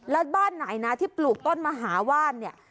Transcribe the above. แล้วบ้านไหนนะที่ปลูกต้นมหาว่านเนี่ย